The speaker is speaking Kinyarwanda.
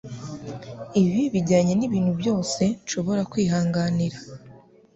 Ibi bijyanye nibintu byose nshobora kwihanganira.